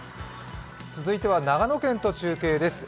続いては長野県と中継です。